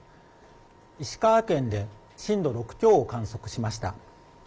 石川県で震度６強を観測しました。